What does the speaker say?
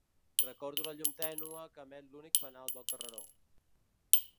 Recordo la llum tènue que emet l'únic fanal del carreró.